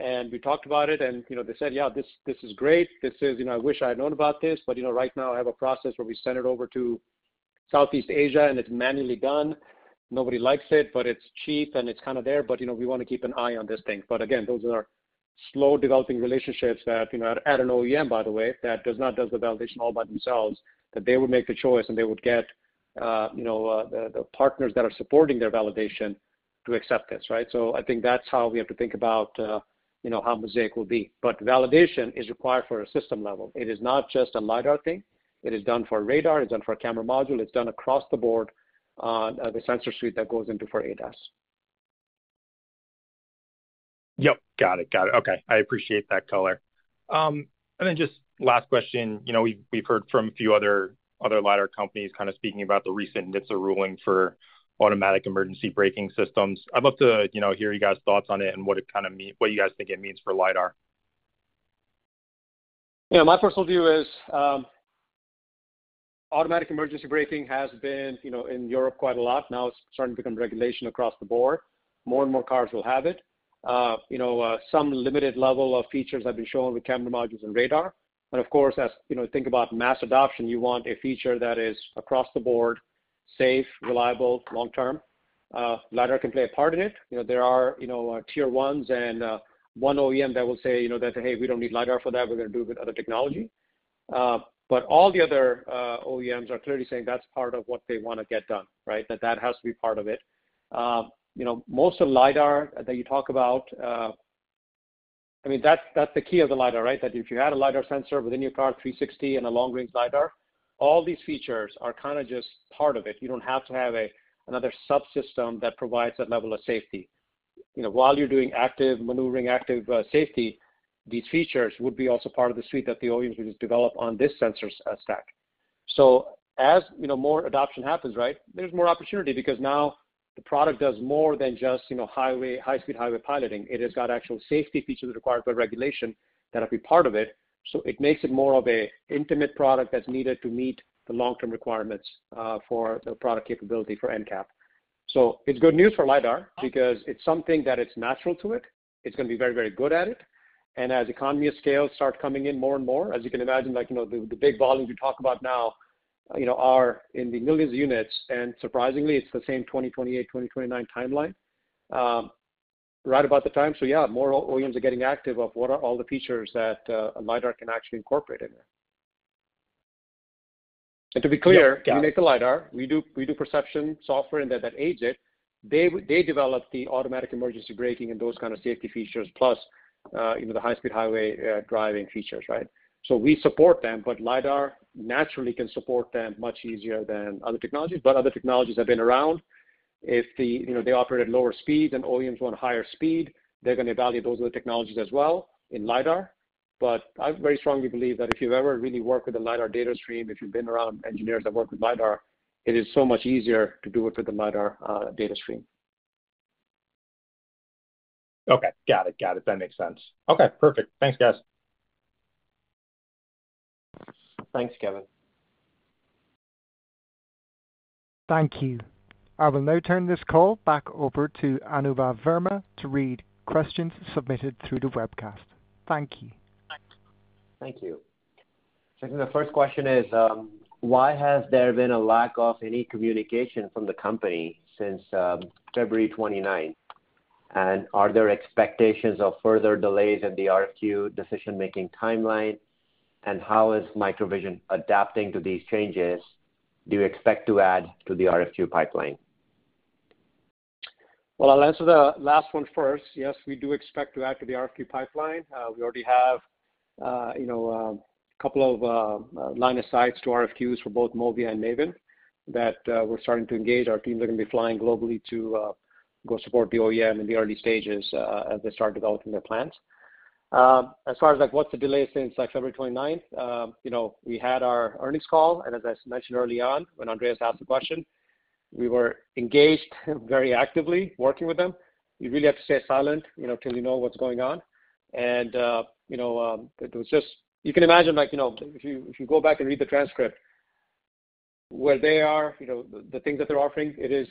and we talked about it, and, you know, they said: Yeah, this, this is great. This is... You know, I wish I had known about this, but, you know, right now I have a process where we send it over to Southeast Asia, and it's manually done. Nobody likes it, but it's cheap, and it's kind of there. But, you know, we want to keep an eye on this thing. But again, those are slow developing relationships that, you know, at an OEM, by the way, that does not do the validation all by themselves, that they would make the choice, and they would get, you know, the partners that are supporting their validation to accept this, right? So I think that's how we have to think about, you know, how MOSAIK will be. But validation is required for a system level. It is not just a LiDAR thing. It is done for radar, it's done for a camera module, it's done across the board on the sensor suite that goes into for ADAS. Yep. Got it, got it. Okay, I appreciate that color. And then just last question. You know, we've heard from a few other LiDAR companies kind of speaking about the recent NHTSA ruling for automatic emergency braking systems. I'd love to, you know, hear you guys' thoughts on it and what it kind of—what you guys think it means for LiDAR. Yeah, my personal view is, automatic emergency braking has been, you know, in Europe quite a lot. Now it's starting to become regulation across the board. More and more cars will have it. You know, some limited level of features have been shown with camera modules and radar. But of course, as you know, think about mass adoption, you want a feature that is across the board, safe, reliable, long term. LiDAR can play a part in it. You know, there are, you know, Tier 1s and, one OEM that will say, you know, that, "Hey, we don't need LiDAR for that. We're gonna do it with other technology." But all the other, OEMs are clearly saying that's part of what they wanna get done, right? That, that has to be part of it. You know, most of the LiDAR that you talk about, I mean, that's, that's the key of the LiDAR, right? That if you had a LiDAR sensor within your car, 360 and a long-range LiDAR, all these features are kind of just part of it. You don't have to have a another subsystem that provides that level of safety. You know, while you're doing active maneuvering, active safety, these features would be also part of the suite that the OEMs would develop on this sensor stack. So as, you know, more adoption happens, right, there's more opportunity because now the product does more than just, you know, high-speed highway piloting. It has got actual safety features required by regulation that have to be part of it. So it makes it more of an intimate product that's needed to meet the long-term requirements for the product capability for NCAP. So it's good news for LiDAR because it's something that it's natural to it. It's gonna be very, very good at it, and as economies of scale start coming in more and more, as you can imagine, like, you know, the big volumes we talk about now, you know, are in the millions of units, and surprisingly, it's the same 2028, 2029 timeline, right about the time. So yeah, more OEMs are getting active of what are all the features that a LiDAR can actually incorporate in there. And to be clear- Yeah. - we make the LiDAR. We do, we do perception software and that, that aids it. They develop the automatic emergency braking and those kind of safety features, plus, you know, the high-speed highway driving features, right? So we support them, but LiDAR naturally can support them much easier than other technologies. But other technologies have been around. If the, you know, they operate at lower speeds and OEMs want higher speed, they're gonna evaluate those other technologies as well in LiDAR. But I very strongly believe that if you've ever really worked with a LiDAR data stream, if you've been around engineers that work with LiDAR, it is so much easier to do it with a LiDAR data stream. Okay, got it. Got it. That makes sense. Okay, perfect. Thanks, guys. Thanks, Kevin. Thank you. I will now turn this call back over to Anubhav Verma to read questions submitted through the webcast. Thank you. Thank you. So the first question is, why has there been a lack of any communication from the company since February twenty-ninth? And are there expectations of further delays in the RFQ decision-making timeline? And how is MicroVision adapting to these changes? Do you expect to add to the RFQ pipeline? Well, I'll answer the last one first. Yes, we do expect to add to the RFQ pipeline. We already have, you know, a couple of line of sights to RFQs for both MOVIA and MAVIN that we're starting to engage. Our teams are gonna be flying globally to go support the OEM in the early stages as they start developing their plans. As far as, like, what's the delay since, like, February 29th, you know, we had our earnings call, and as I mentioned early on when Andres asked the question, we were engaged very actively, working with them. We really had to stay silent, you know, till we know what's going on. And, you know, it was just you can imagine, like, you know, if you, if you go back and read the transcript, where they are, you know, the things that they're offering, it is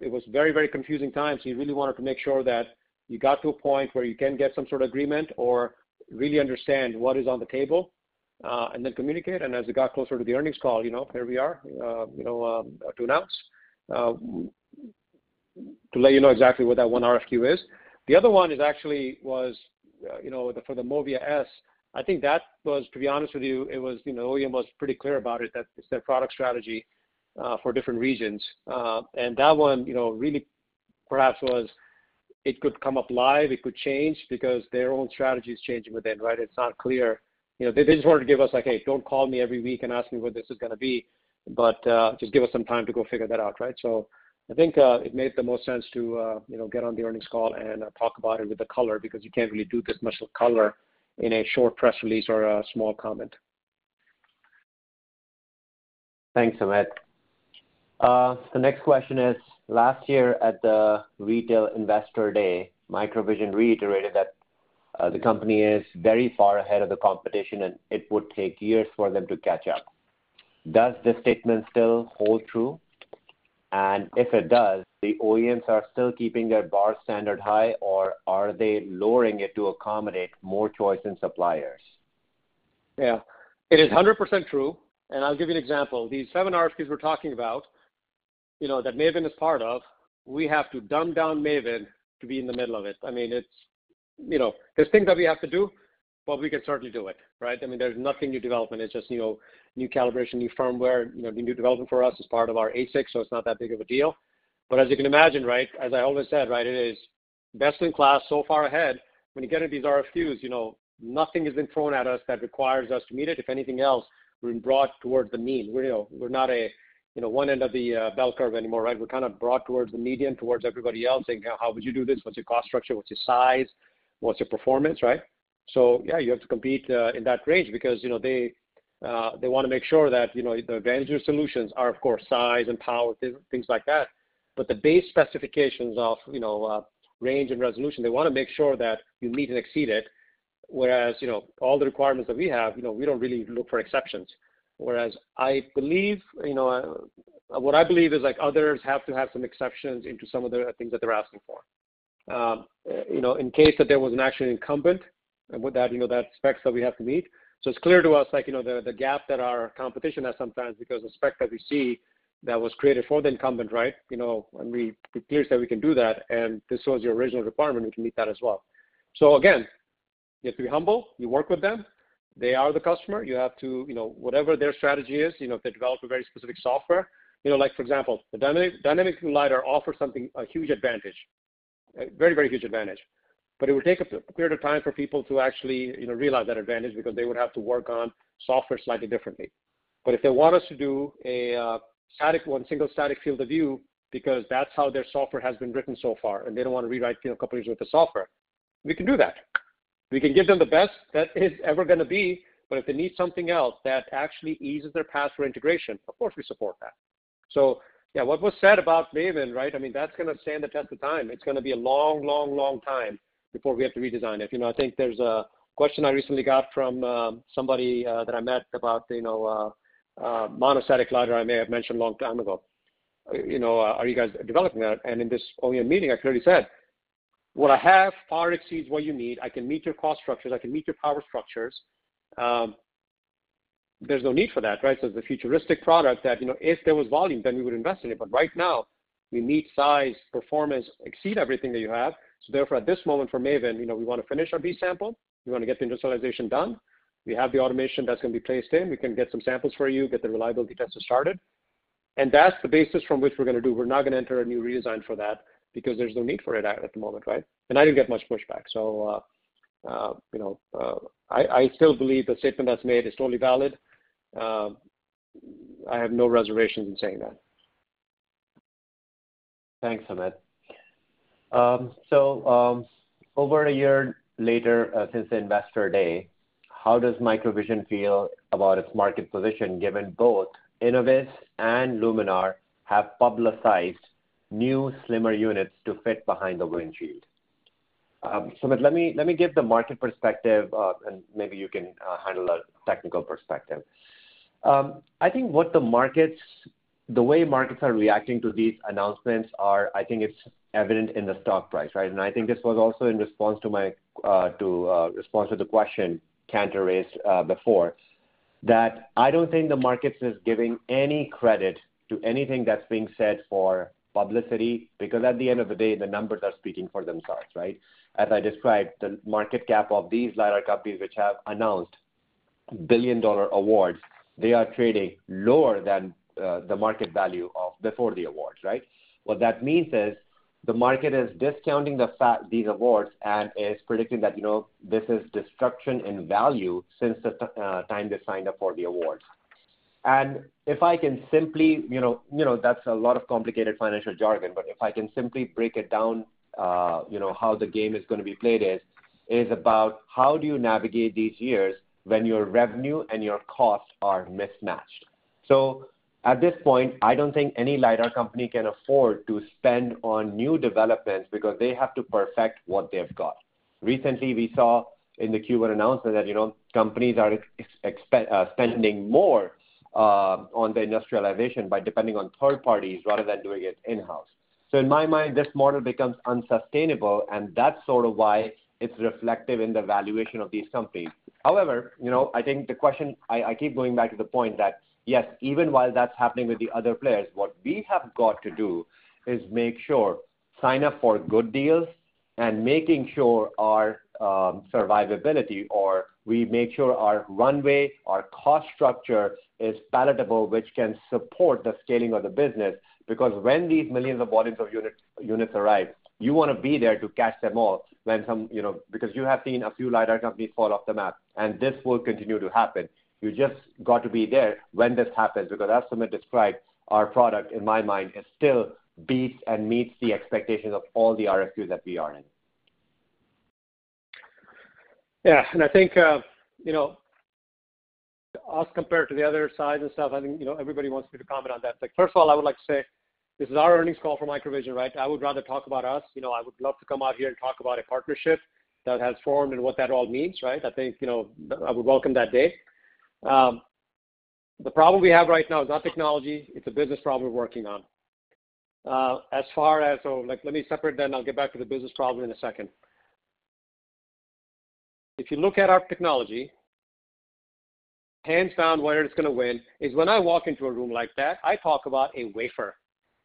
it was very, very confusing time, so you really wanted to make sure that you got to a point where you can get some sort of agreement or really understand what is on the table, and then communicate. And as we got closer to the earnings call, you know, here we are, to announce, to let you know exactly what that one RFQ is. The other one is actually was, you know, for the MOVIA. I think that was, to be honest with you, it was, you know, OEM was pretty clear about it, that it's their product strategy, for different regions. And that one, you know, really perhaps was it could come up live, it could change because their own strategy is changing within, right? It's not clear. You know, they just wanted to give us, like, "Hey, don't call me every week and ask me what this is gonna be, but, just give us some time to go figure that out," right? So I think, it made the most sense to, you know, get on the earnings call and, talk about it with the color, because you can't really do this much of color in a short press release or a small comment. Thanks, Sumit. The next question is, last year at the Retail Investor Day, MicroVision reiterated that the company is very far ahead of the competition, and it would take years for them to catch up. Does this statement still hold true? And if it does, the OEMs are still keeping their bar standard high, or are they lowering it to accommodate more choice in suppliers? Yeah, it is 100% true, and I'll give you an example. These seven RFPs we're talking about, you know, that MAVIN is part of, we have to dumb down MAVIN to be in the middle of it. I mean, it's, you know, there's things that we have to do, but we can certainly do it, right? I mean, there's nothing new development. It's just, you know, new calibration, new firmware, you know, the new development for us is part of our ASICs, so it's not that big of a deal. But as you can imagine, right, as I always said, right, it is best in class, so far ahead. When you get into these RFQs, you know, nothing has been thrown at us that requires us to meet it. If anything else, we're brought towards the mean. We're, you know, we're not a, you know, one end of the bell curve anymore, right? We're kind of brought towards the median, towards everybody else, saying: How would you do this? What's your cost structure? What's your size? What's your performance? Right. So yeah, you have to compete in that range because, you know, they, they wanna make sure that, you know, the advantage of solutions are, of course, size and power, things like that. But the base specifications of, you know, range and resolution, they wanna make sure that you meet and exceed it, whereas, you know, all the requirements that we have, you know, we don't really look for exceptions. Whereas, I believe, you know, what I believe is like others have to have some exceptions into some of the things that they're asking for. You know, in case that there was an actual incumbent, and with that, you know, that specs that we have to meet. So it's clear to us, like, you know, the gap that our competition has sometimes because the spec that we see that was created for the incumbent, right? You know, and we—it's clear that we can do that, and this was your original requirement, we can meet that as well. So again, you have to be humble. You work with them. They are the customer. You have to, you know, whatever their strategy is, you know, if they develop a very specific software. You know, like, for example, the dynamic LiDAR offers something, a huge advantage, a very, very huge advantage. But it would take a period of time for people to actually, you know, realize that advantage because they would have to work on software slightly differently. But if they want us to do a static, one single static field of view, because that's how their software has been written so far, and they don't wanna rewrite, you know, a couple of years worth of software, we can do that. We can give them the best that is ever gonna be, but if they need something else that actually eases their path for integration, of course, we support that. So yeah, what was said about MAVIN, right? I mean, that's gonna stand the test of time. It's gonna be a long, long, long time before we have to redesign it. You know, I think there's a question I recently got from somebody that I met about, you know, monostatic LiDAR, I may have mentioned a long time ago. You know, are you guys developing that? And in this OEM meeting, I clearly said, "What I have far exceeds what you need. I can meet your cost structures, I can meet your power structures. There's no need for that, right? So it's a futuristic product that, you know, if there was volume, then we would invest in it. But right now, we meet size, performance, exceed everything that you have. So therefore, at this moment, for MAVIN, you know, we wanna finish our B sample, we wanna get the industrialization done. We have the automation that's gonna be placed in. We can get some samples for you, get the reliability tests started." And that's the basis from which we're gonna do. We're not gonna enter a new redesign for that because there's no need for it at the moment, right? And I didn't get much pushback. So, you know, I still believe the statement that's made is totally valid. I have no reservations in saying that. Thanks, Sumit. So, over a year later, since the Investor Day, how does MicroVision feel about its market position, given both Innoviz and Luminar have publicized new slimmer units to fit behind the windshield? So but let me, let me give the market perspective, and maybe you can handle the technical perspective. I think what the markets, the way markets are reacting to these announcements are, I think it's evident in the stock price, right? And I think this was also in response to my, to, response to the question Cantor raised, before, that I don't think the markets is giving any credit to anything that's being said for publicity, because at the end of the day, the numbers are speaking for themselves, right? As I described, the market cap of these LiDAR companies, which have announced billion-dollar awards, they are trading lower than the market value of before the awards, right? What that means is, the market is discounting the fact these awards and is predicting that, you know, this is destruction in value since the time they signed up for the awards. And if I can simply, you know, you know, that's a lot of complicated financial jargon, but if I can simply break it down, you know, how the game is gonna be played is about how do you navigate these years when your revenue and your costs are mismatched? So at this point, I don't think any LiDAR company can afford to spend on new developments because they have to perfect what they've got. Recently, we saw in the Q1 announcement that, you know, companies are spending more on the industrialization by depending on third parties rather than doing it in-house. So in my mind, this model becomes unsustainable, and that's sort of why it's reflective in the valuation of these companies. However, you know, I think the question, I keep going back to the point that, yes, even while that's happening with the other players, what we have got to do is make sure sign up for good deals and making sure our survivability, or we make sure our runway, our cost structure is palatable, which can support the scaling of the business, because when these millions of volumes of units arrive, you wanna be there to catch them all when some, you know—Because you have seen a few LiDAR companies fall off the map, and this will continue to happen. You just got to be there when this happens, because as Sumit described, our product, in my mind, is still beats and meets the expectations of all the RFQs that we are in. Yeah, and I think, you know, us compared to the other side and stuff, I mean, you know, everybody wants me to comment on that. Like, first of all, I would like to say this is our earnings call for MicroVision, right? I would rather talk about us. You know, I would love to come out here and talk about a partnership that has formed and what that all means, right? I think, you know, I would welcome that day. The problem we have right now is not technology, it's a business problem we're working on. So, like, let me separate, then I'll get back to the business problem in a second. If you look at our technology, hands down, winner is gonna win, is when I walk into a room like that, I talk about a wafer,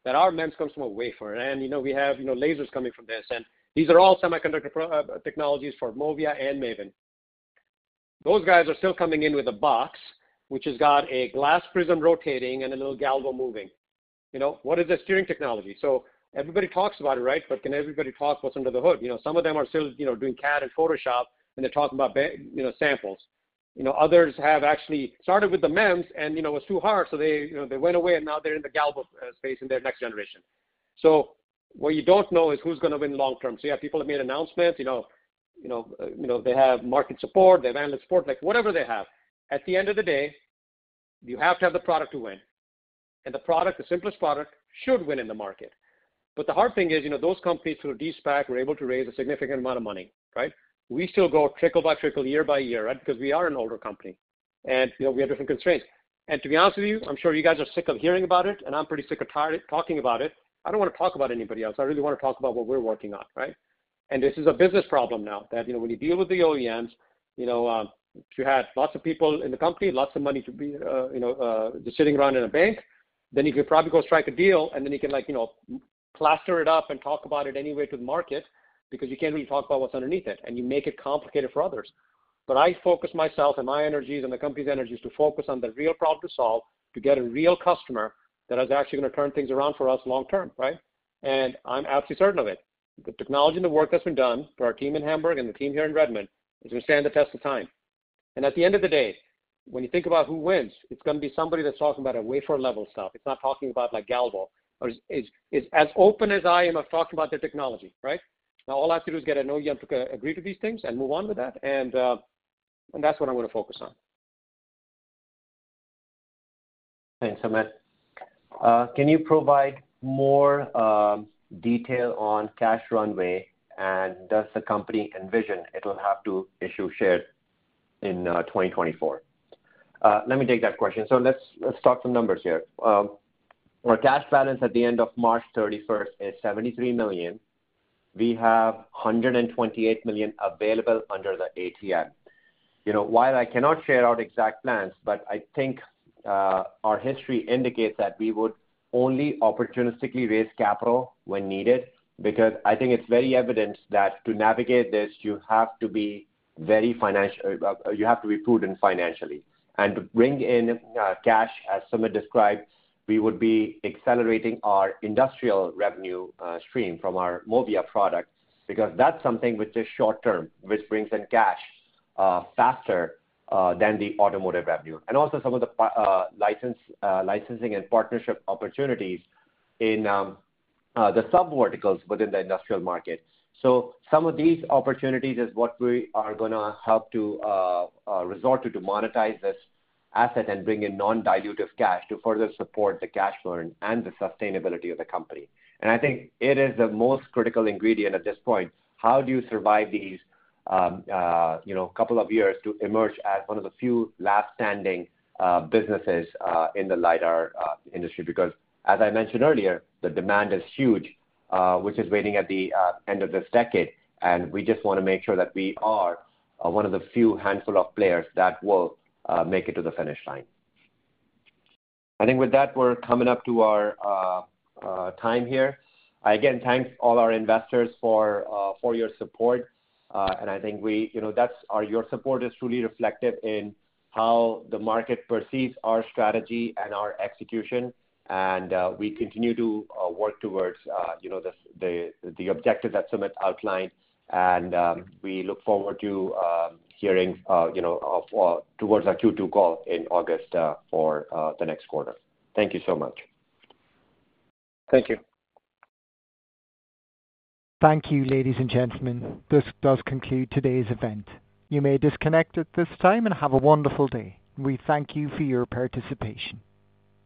that our MEMS comes from a wafer. And, you know, we have, you know, lasers coming from this, and these are all semiconductor pro- technologies for MOVIA and MAVIN. Those guys are still coming in with a box, which has got a glass prism rotating and a little galvo moving. You know, what is the steering technology? So everybody talks about it, right? But can everybody talk what's under the hood? You know, some of them are still, you know, doing CAD and Photoshop, and they're talking about B samples. You know, others have actually started with the MEMS, and, you know, it's too hard, so they, you know, they went away, and now they're in the galvo space in their next generation. So what you don't know is who's gonna win long term. So you have people have made announcements, you know, you know, you know, they have market support, they have analyst support, like, whatever they have. At the end of the day, you have to have the product to win. And the product, the simplest product, should win in the market. But the hard thing is, you know, those companies through a de-SPAC were able to raise a significant amount of money, right? We still go trickle by trickle, year by year, right? Because we are an older company, and, you know, we have different constraints. To be honest with you, I'm sure you guys are sick of hearing about it, and I'm pretty sick or tired of talking about it. I don't wanna talk about anybody else. I really wanna talk about what we're working on, right? And this is a business problem now, that, you know, when you deal with the OEMs, you know, you had lots of people in the company, lots of money to be, you know, just sitting around in a bank.... Then you could probably go strike a deal, and then you can, like, you know, plaster it up and talk about it anyway to the market, because you can't really talk about what's underneath it, and you make it complicated for others. But I focus myself and my energies and the company's energies to focus on the real problem to solve, to get a real customer that is actually gonna turn things around for us long term, right? And I'm absolutely certain of it. The technology and the work that's been done for our team in Hamburg and the team here in Redmond is gonna stand the test of time. And at the end of the day, when you think about who wins, it's gonna be somebody that's talking about a wafer-level stuff. It's not talking about, like, galvo, or is, is as open as I am of talking about the technology, right? Now, all I have to do is get to know you, have to agree to these things and move on with that, and, and that's what I'm gonna focus on. Thanks, Sumit. Can you provide more detail on cash runway? And does the company envision it'll have to issue shares in 2024? Let me take that question. So let's talk some numbers here. Our cash balance at the end of March 31 is $73 million. We have $128 million available under the ATM. You know, while I cannot share our exact plans, but I think our history indicates that we would only opportunistically raise capital when needed, because I think it's very evident that to navigate this, you have to be prudent financially. And to bring in cash, as Sumit described, we would be accelerating our industrial revenue stream from our MOVIA product, because that's something which is short term, which brings in cash faster than the automotive revenue. And also some of the licensing and partnership opportunities in the sub verticals within the industrial market. So some of these opportunities is what we are gonna help to resort to, to monetize this asset and bring in non-dilutive cash to further support the cash burn and the sustainability of the company. And I think it is the most critical ingredient at this point. How do you survive these, you know, couple of years to emerge as one of the few last standing businesses in the LiDAR industry? Because, as I mentioned earlier, the demand is huge, which is waiting at the end of this decade, and we just wanna make sure that we are one of the few handful of players that will make it to the finish line. I think with that, we're coming up to our time here. Again, thanks all our investors for your support, and I think... You know, that's your support is truly reflected in how the market perceives our strategy and our execution, and we continue to work towards, you know, the objective that Sumit outlined. And we look forward to hearing, you know, towards our Q2 call in August for the next quarter. Thank you so much. Thank you. Thank you, ladies and gentlemen. This does conclude today's event. You may disconnect at this time and have a wonderful day. We thank you for your participation.